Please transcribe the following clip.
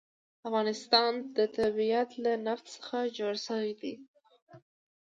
د افغانستان طبیعت له نفت څخه جوړ شوی دی.